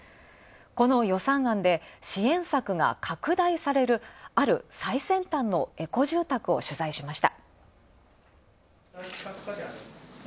この予算案で支援策が拡大されるある最先端のエコ住宅を取材しました。